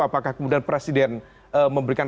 apakah kemudian presiden memberikan